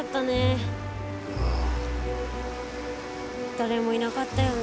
誰もいなかったよね。